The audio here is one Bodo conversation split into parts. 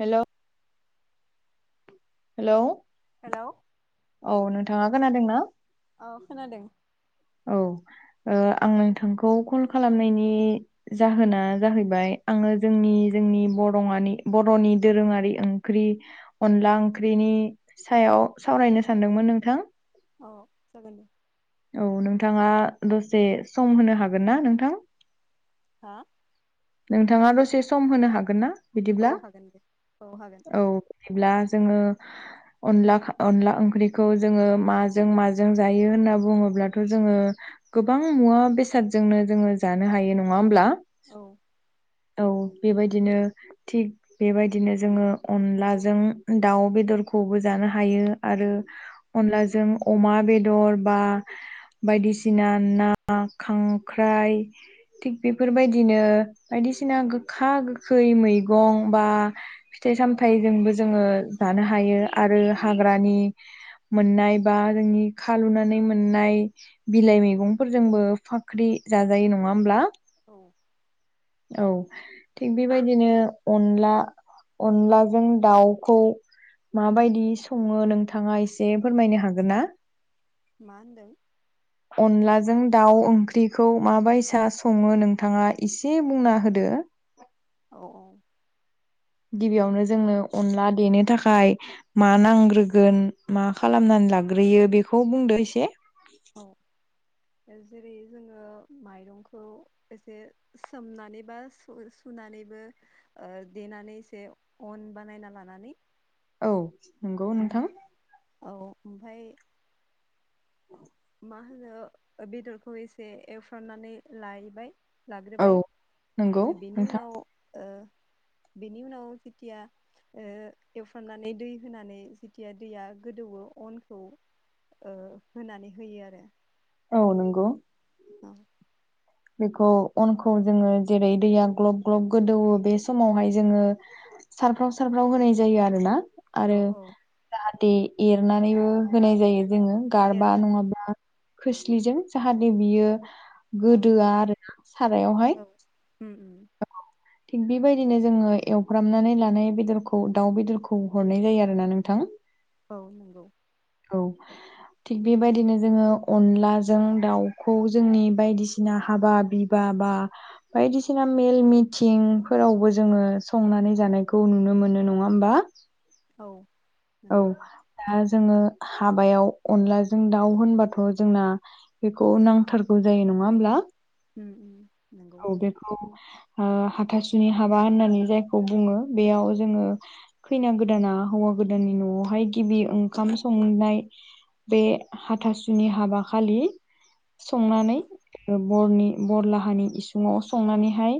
हेल' हेलौ हेल' औ नोंथाङा खोनादों ना? औ खोनादों औ ओ ओङो नोंथांखौ कल खालामनायनि जाहोना जाहैबाय आङो जोंनि जोंनि बरं बर'नि दोरोङारि ओंख्रि अनला ओंख्रिनि सा याव सावरायनो सानदोंमोन नोंथां औ जागोन दे औ नोंथाङा दसे सम होनो हागोन ना नोंथां हा नोंथाङा दसे सम होनो हागोन ना औ बिदिब्ला हागोन दे औ हागोन औ बिदिब्ला जोङो अनला ओंख्रिखौ जोङो माजों माजों जायो होनना बुङो ब्लाथ' जोङो गोबां मुवा बेसादजोंनो जोङो जानो हायो नङा होमब्ला औ औ बेबायदिनो थिग बेबायदिनो जोङो अनलाजों दाउ बेदर खौबो जानो हायो आरो अनलाजों अमा बेदर बा बायदिसिना ना खांख्राइ थिग बेफोरबायदिनो बायदिसिना गोखा गोखै मैगं बा फिथाइ सामथाइजोंबो जोङो जानो हायो आरो हाग्रानि मोननाय बा जोंनि खालुनानै मोननाय बिलाइ मैगंफोरजोंबो फाख्रि जाजायो नंङा होमब्ला औ औ थिग बेबायदिनो अनला अनलाजों दाउखौ मा बायदि सङो नोंथाङा एसे फोरमायनो हागोन ना मा होनदों जों दाउ ओंख्रिखौ माबायसा सङो नोंथाङा इसे बुंना होदो औ औ गिबियावनो जोंनो अनला देनो थाखाय मा नांग्रोगोन मा खालामनानै ला ग्रोयो बेखौ बुंदो एसे औ जेरै जोङो माइरंखौ एसे सोमनानै बा सुनानै देनानैबो ओ देनानै एसे अन बानायना लानानै औ नंगौ नोंथां औ ओमफ्राय [inaudible] मा होनो बेदरखौ एसे एवफ्रामनानै लायबाय औ लाग्रोबाय नंगौ बेनि नोंथां उनाव ओ बेनि उनाव जेथिया ओ एवफ्रामनानै दै होनानै जेथिया दैया गोदौवो अनखौ ओ होनानै होयो आरो औ नंगौ [inaudible] बेखौ अनखौ जोङो जेरै दैया ग्लब ग्लब गोदौवो बे समावहाय जोङो सारफ्राव सारफ्राव होनाय जायो आरोना औ औ दे एरनानैबो होनाय जायो जोङो गारबा एरना नङाब्ला खोस्लिजों जाहाथे बियो औ दोआ आरोना सारायावहाय औ उम थिग बेबायदिनो जोङो एवफ्रामनानै लानाय बेदरखौ दाउ बेदरखौ हरनाय जायो आरोना नोंथां। औ नंगौ। औ। थिग बेबायदिनो जोङो अनलाजों दाउखौ जोंनि बायदिसिना हाबा बिबा हाबा बायदिसि ना मेल मिथिंफोरावबो जोङो संनानै जानायखौ नुनो मोनो नङा होमबा। औ औ नंगौ दा जोङो हाबायाव अनलाजों दाउ होनबाथ' जोंना बेखौ नांथारगौ जायो। नङा होमब्ला। उम। नंगौ औ बेखौ ओ हाथासुनि हाबा होननानै जायखौ बुङो बेयाव जोङो खैना गोदाना हौवा गोदाननि न'आवहाय गिबि ओंखाम संनाय बे हाथासुनि हाबाखलि औ संनानै बरनि बरलाहानि सिङाव संनानैहाय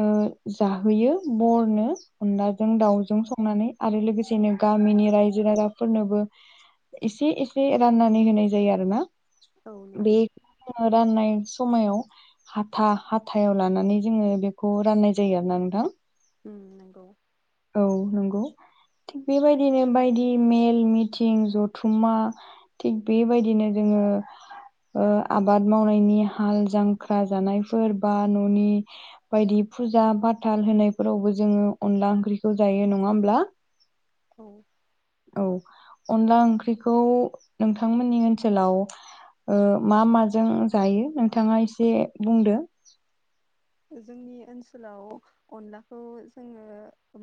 ओ जाहोयो बरनो। अनलाजों दाउजों संनानै आरो लोगोसेनो गामिनि रायजो राजाफोरनोबो एसे एसे राननानै होनाय जायो आरो ना। औ बे नंगौ राननाय समायाव हा था हाथायाव लानानै जोङो बेखौ राननाय जायो आरो ना नोंथां। ओम नंगौ। औ नंगौ। थिग बेबायदिनो बायदि मेल मिथिं जथुमा थिग बेबायदिनो जों ओ ओ आबाद मावनायनि हाल जांख्रा जानायफोर बा न'नि बायदि। फुजा फाथाल होनायफोरावबो जोङो अनला ओंख्रिखौ जायो नङा होमब्ला। औ। औ अनला ओंख्रिखौ नोंथांमोननि ओनसोलाव ओ मा माजों जायो नोंथाङा एसे बुंदो? जोंनि ओनसोलाव अनलाखौ जोङो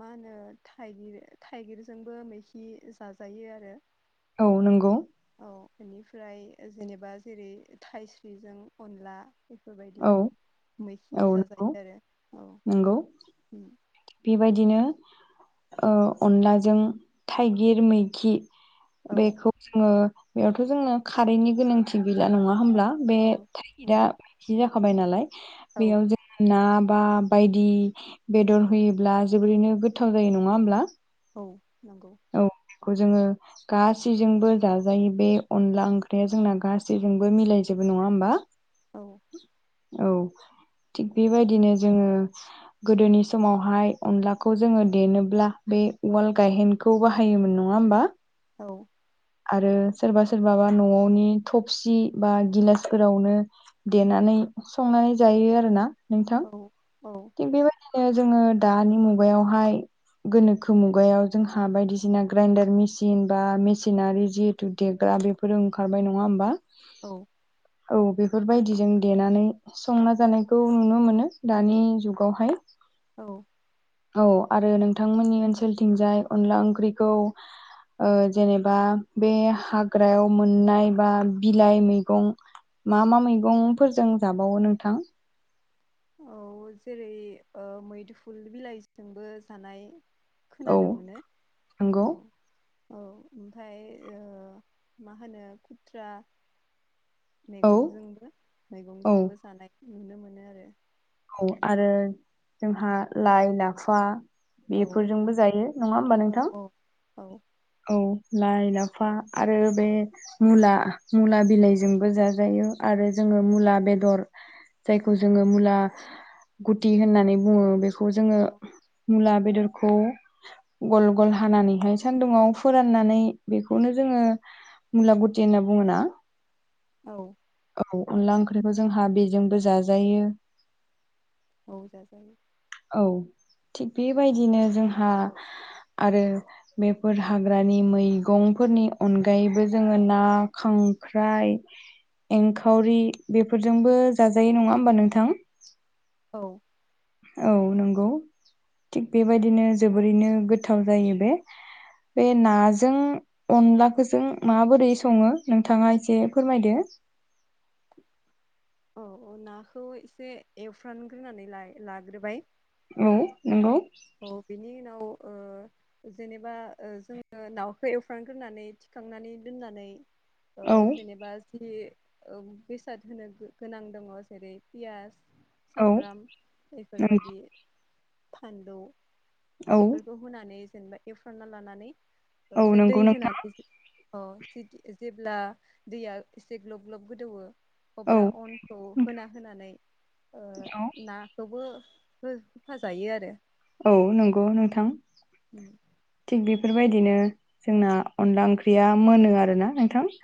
मा होनो थाइगिर थाइगिरजोंबो मैखि जाजायो आरो औ नंगौ। औ बेनिफ्राय जेनेबा जेरै थाइस्रिजों अनला बेफोरबायदि औ मैखि औ नंगौ जाजायो आरो नंगौ औ। बेबायदिनो ओ अनलाजों थाइगिर मैखि औ बेखौ जोङो बेयावथ' जोंनो खारैनि गोनांथि गैला नङा होमब्ला। बे औ थाइगिरा उम मैखि जाखाबाय नालाय औ बेयाव जों ना बा बायदि बेदर होयोब्ला जोबोरैनो गोथाव जायो नङा होमब्ला। औ नंगौ। औ जोङो गासैजोंबो जाजायो बे अनला ओंख्रिया जोंना गासैजोंबो मिलायजोबो। नङा ओबा औ औ। थिग बेबायदिनो जोङो गोदोनि समावहाय अनलाखौ जोङो देनोब्ला बे बे उवाल गायहेनखौ बाहायोमोन नङा होमबा। औ। आरो सोरबा सोरबाबा न'आवनि थफसि बा गिलासफोरावनो देनानै। संनानै जायो आरोना नोंथां औ थिग बेबायदिनो जोङो दानि मुगायावहाय। गोनोखो मुगायाव जोंहा बायदिसिना ग्रानडार मेसिन बा मेसिनारि जिहेतु देग्रा। बा ओंखार नङा हबा औ औ बेफोरबायदिजों देनानै संना जानायखौ नुनो मोनो दानि जुगावहाय। औ। औ आरो नोंथांमोननि ओनसोलथिंजाय अनला ओंख्रिखौ। ओ जेनेबा बे हाग्रायाव मोननाय बा बिलाइ मैगं। मा मा मैगंफोरजों जाबावो नोंथां। औ जेरै मैदुफुल बिलाइजोंबो जानाय। औ खोनानो मोनो नंगौ औ। औ ओमफ्राय मा होनो खुथ्रा। औ मैगंजोंबो औ मैगंजोंबो जानाय। नुनो मोनो आरो औ आरो जोंहा लाइ लाफा। औ बेफोरजोंबो जायो नङा होमबा नोंथां औ औ औ। लाइ लाफा आरो बे मुला मुला बिलाइजोंबो जाजायो आरो जों। [unintelligible] मुला बेदर जायखौ जोङो मुला। गुति होननानै बुङो बेखौ जोङो औ मुला। बेदरखौ गल गल हानानैहाय सान्दुुंआव फोराननानै बेखौनो जोङो। मुलागुति होनना बुङो ना औ। ओ अनला ओंख्रिखौ जोंहा बेजोंबो जाजायो। औ जा जायो। औ थिग बेबायदिनो जोंहा। आरो बेफोर हाग्रानि मैगंफोरनि अनगायैबो जोङो ना खां खांख्राइ। एंखावरि बेफोरजोंबो जाजाय नङा होमबा नोंथां। औ। औ नंगौ थिग बेबायदिनो जोबोरैनो गोथाव जायो बे। बे नाजों अनलाखौजों माबोरै सङो नोंथाङा एसे फोरमायदो। [inaudible] औ औ नाखौ एसे एवफ्रानग्रोनानै लाइ लाग्रोबाय। औ नंगौ। औ बिनि उनाव। ओ जेनेबा जोङो एवफ्रांग्रोनानै थिखांनानै दोननानै। औ जेनोबा जि। बेसाद होनो गोनां दङ जेरै पियास। औ सामब्राम नंगौ बेफोरबायदि फानलौ। औ बेफोरखौ होनानै जेनेबा एवफ्रांना लानानै। औ दै नंगौ होना नोंथां अ जेब्ला दैया एसे ग्लब ग्लब गोदौवो। औ अब्ला अनखौ होना होनानै नोंथां नाखौबो। हो होफाजायो आरो औ नंगौ नोंथां। उम थिग बेफोरबायदिनो जोंना अनला ओंख्रिया मोनो आरो ना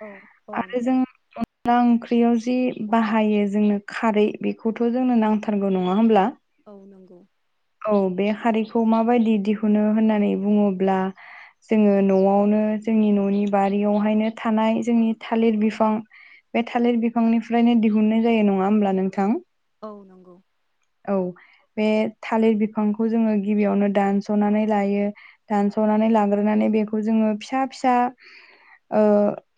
औ औ जों नंगौ अनला ओंख्रियाव जि बाहायो जोंनो खारै बेखौथ' जोंनो नांथारगौ नङा होमब्ला औ नंगौ औ बे खारैखौ माबायदि दिहुनो होननानै बुङोब्ला जोङो न'आवनो जोंनि न'नि बारियावहायनो थानाय जोंनि थालिर बिफां बे थालिर बिफांनिफ्रायनो दिहुननाय जायो नङा होमब्ला नोंथां औ नांगौ औ बे थालिर बिफांखौ जोङो गिबियावनो दानस'नानै लायो दानस' नानै लाग्रोनानै बेखौ जोंं फिसा फिसा ओ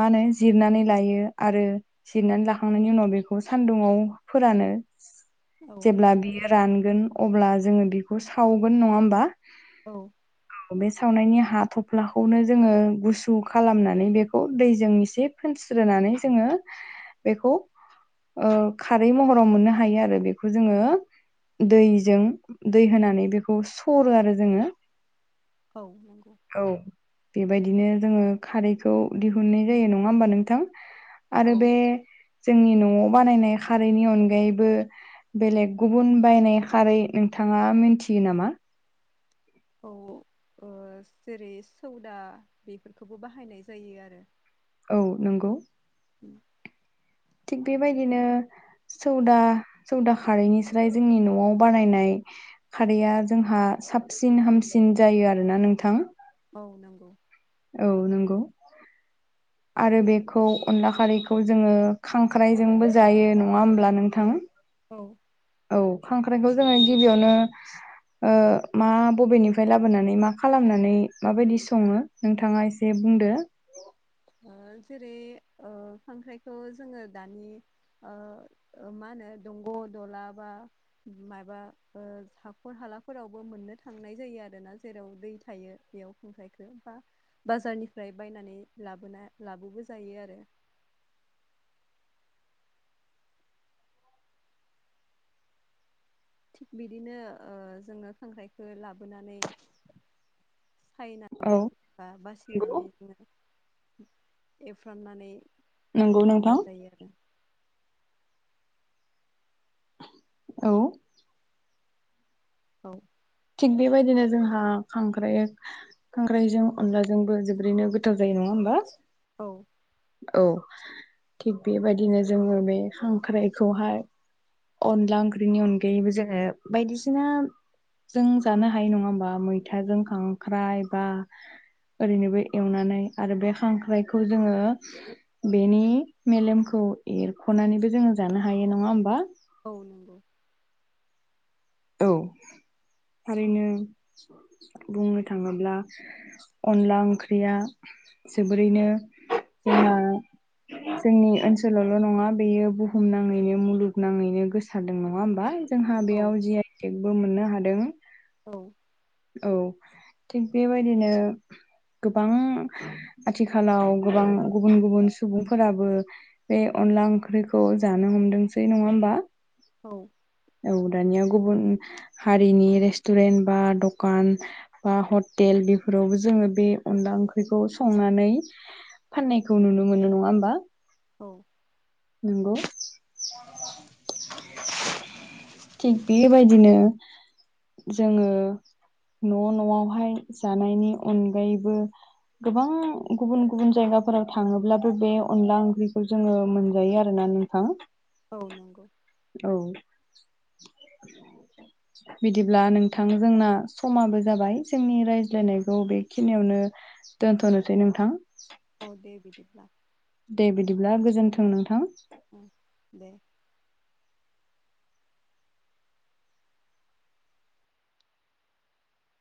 मा होनो जिरनानै लायो आरो जिरनानै लाखांनायनि उनाव बेखौ सान्दुंआव फोरानो। औ जेब्ला बियो रानगोन अब्ला जोङो बेखौ सावगोन नङा होमबा? औ। बे सावनायनि हा थफ्लाखौनो जोङो गुसु खालामनानै बेखौ दैजों एसे फोन स्रोनानै जोङो बेखौ खारै महराव मोननो हायो आरो बे बेखौ जोङो दैजों दै होनानै बेखौ स'रो आरो जोङो। औ नंगौ। औ बेबायदिनो जोङो खारैखौ दिहुननाय जायो नङा होमबा नोंथां? औ आरो बे जोंनि न'आव बानायनाय खारैनि अनगायैबो बेलेग गुबुन बायनाय खारै नोंथाङा मिथियो नामा? औ औ। ओ जेरै सौदा बेफोरखौबो बाहायनाय जायो आरो औ नंगौ उ थिग बेबायदिनो सौदा सौदा खारैनिस्राय जोंनि न'आव बानायनाय खारैया जोंहा साबसिन हामसिन जायो आरोना नोंथां औ नांगौ औ नंगौ [inaudible] आरो बेखौ अनला खारैखौ जोङो खांख्राइजोंबो जायो नङा होमब्ला नोंथां? औ औ खांख्राइखौ जोङो गिबियावनो ओ मा बबेनिफ्राय लाबोनानै मा खालामनानै माबायदि सङो नोंथाङा एसे बुंदो [inaudible] ओ जेरै खांख्रायखौ जोङो दानि ओ मा होनो दंग' दला बा माबा हाखर हालाफोरावबो मोननो थांनाय जायो आरोना जेराव दै थायो बेयाव खांख्राइखौ बा बाजारनिफ्राय बायनानै लाबोना लाबोबो जायो आरो थिग बिदिनो जोङो खांख्रायखौ लाबोनानै औ सायनानै बा बासिनानै नंगौ जोङो एवफ्रामनानै नंगौ माबा नोंथां जायो आरो औ अं औ थिग बेबायदिनो जोंहा खांख्राराइ खांख्राइजों अनलाजोंबो जोबोरैनो गोथाव जायो नङा होनोमबा औ। औ थिग बेबायदिनो जोङो बे खांख्राइखौहाय अनला ओंख्रिनि अनगायैबो जोङो बायदिसिना जों जानो हायो नङा हबा मैथाजों खांख्राइ बा ओरैनोबो एवनानै आरो बे खांख्रायखौ जोङो बेनि मेलेमखौ एरख'नानैबो जोङो जानो हायो नङा होमबा। औ नंगौ औ थारैनो बुंनो थाङोब्ला अनला ओंख्रिया जोबोरैनो जोंना जोंनि ओनसोलावल' नङा बेयो बुहुम नाङैनो मुलुगनाङैनो गोसारदों नङा होनबा जोंहा औ बेयाव जे बो मोननो हादों औ औ थिग बेबायदिनो गोबां आथिखालाव गोबां गुबुन गुबुन सुबुंफोराबो बे अनला ओंख्रिखौ जानो हमदोंसै नङा होमबा। औ औ दानिया गुबुन हारिनि रेस्टुरेन्ट बा द दखान बा हटेल बेफोरावबो जोङो बे अनला ओंख्रिखौ संनानै फाननायखौ नुनो मोनो नङा होमबा? औ नंगौ थिग बेबायदिनो जोङो न' न'आवहाय जानायनि अनगायैबो गोबां गुबुन गुबुन जायगाफोराव थाङोब्लाबो बे अनला ओंख्रिखौ जोङो मोनजायो आरो ना। नोंथां औ नंगौ औ [inaudible] [inaudible] बिदिब्ला नोंथां जोंना समाबो जाबाय जोंनि रायज्लायनायखौ बेखिनियावनो दोनथ'नोसै नोंथां। औ दे बिदिब्ला। दे बिदिब्ला गोजोन्थों नोंथां। दे